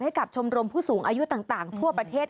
ชมรมผู้สูงอายุต่างทั่วประเทศ